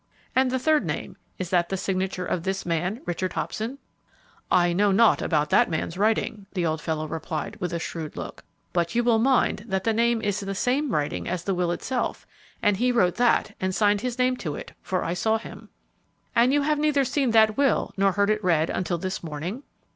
"And the third name, is that the signature of this man, Richard Hobson?" "I know naught about that man's writing," the old fellow replied, with a shrewd look; "but you will mind that the name is the same writing as the will itself, and he wrote that and signed his name to it, for I saw him." "And you have neither seen that will, nor heard it read until this morning?"